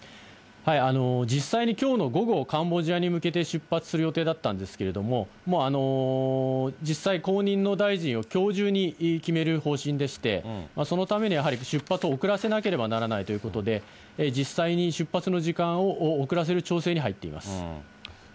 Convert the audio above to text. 実際にきょうの午後、カンボジアに向けて出発する予定だったんですけれども、もう実際、後任の大臣をきょう中に決める方針でして、そのためにやはり出発を遅らせなければならないということで、実際に出発の時間を遅らせる調整に入っています。